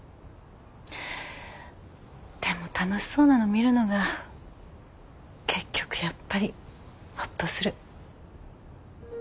でも楽しそうなの見るのが結局やっぱりほっとする。